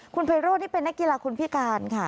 คุณไพโร่นี่เป็นนักกีฬาคนพิการค่ะ